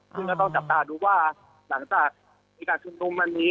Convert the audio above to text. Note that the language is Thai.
ซึ่งก็ต้องจับตาดูว่าหลังจากมีการชุมนุมวันนี้